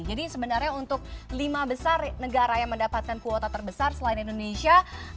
jadi sebenarnya untuk lima besar negara yang mendapatkan kuota terbesar selain indonesia